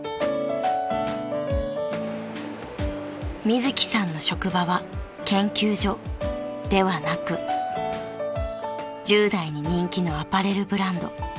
［みずきさんの職場は研究所ではなく１０代に人気のアパレルブランド］